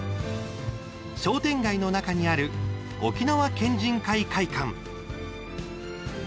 商店街の中にある沖縄県人会会館。